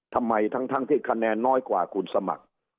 ทั้งที่คะแนนน้อยกว่าคุณสมัคร